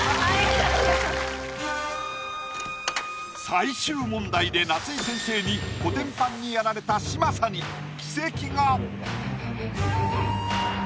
最終問題で夏井先生にコテンパンにやられた嶋佐に奇跡が！